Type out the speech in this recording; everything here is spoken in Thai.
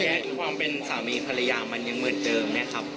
และความเป็นสามีภรรยามันยังเหมือนเดิมไหมครับ